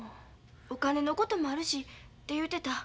お金のこともあるして言うてた。